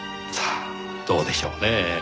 さあどうでしょうねぇ。